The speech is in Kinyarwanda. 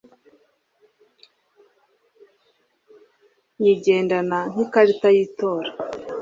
nyigendana nk' ikarita y' itora